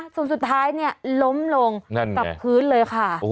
ส่วนสุดท้ายเนี่ยล้มลงกับพื้นเลยค่ะ